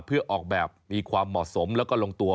เพื่อออกแบบมีความเหมาะสมแล้วก็ลงตัว